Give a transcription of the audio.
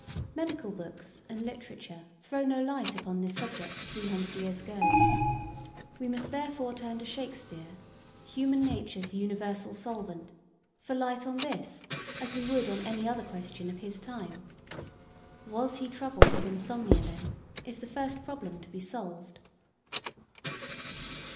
Medical books and literature throw no light upon this subject three hundred years ago. We must therefore turn to Shakespeare human nature's universal solvent for light on this as we would on any other question of his time. Was he troubled with insomnia, then, is the first problem to be solved.